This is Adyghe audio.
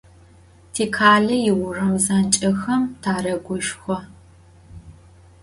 Tikhale yiuram zanç'exem tareguşşxo.